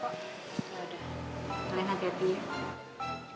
ya udah kalian hati hati ya